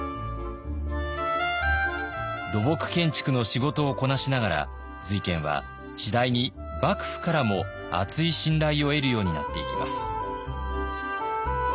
土木建築の仕事をこなしながら瑞賢は次第に幕府からも厚い信頼を得るようになっていきます。